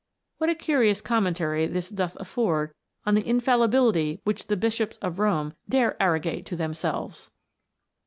What a curious commentary this doth afford on the "infallibility" which the Bishops of Rome dare arrogate to themselves